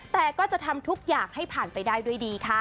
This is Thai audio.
แต่ก็จะทำทุกอย่างให้ผ่านไปได้ด้วยดีค่ะ